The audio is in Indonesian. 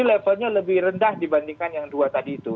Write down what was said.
jadi levelnya lebih rendah dibandingkan yang dua tadi